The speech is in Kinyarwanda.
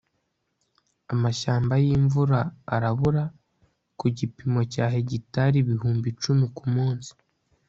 Amashyamba yimvura arabura ku gipimo cya hegitari ibihumbi icumi kumunsi